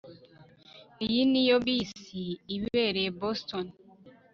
iyi niyo bisi ibereye boston